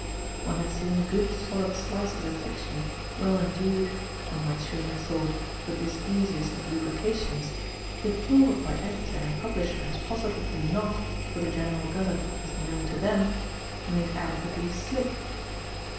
One had seen good solid slices of fiction, well endued, one might surely have thought, with this easiest of lubrications, deplored by editor and publisher as positively not, for the general gullet as known to THEM, made adequately "slick."